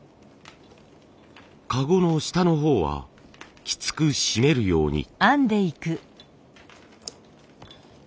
籠の下の方はきつく締めるように。